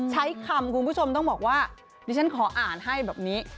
ใช้คำคุณผู้ชมต้องบอกว่าดิฉันขออ่านให้แบบนี้